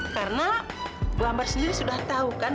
karena bu ambar sendiri sudah tahu kan